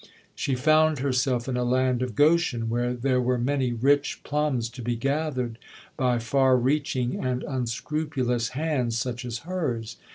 She found herself in a land of Goshen, where there were many rich plums to be gathered by far reaching and unscrupulous hands such as hers.